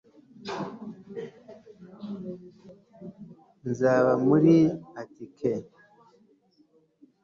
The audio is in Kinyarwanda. nzaba muri atike